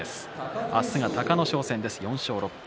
明日は隆の勝戦です、４勝６敗。